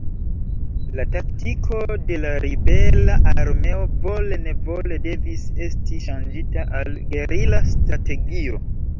La taktiko de la ribela armeo vole-nevole devis esti ŝanĝita al gerila strategio.